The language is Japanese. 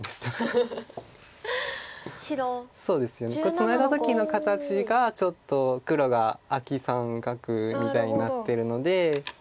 ツナいだ時の形がちょっと黒がアキ三角みたいになってるので。